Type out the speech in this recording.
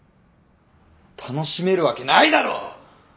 楽しめるわけないだろ！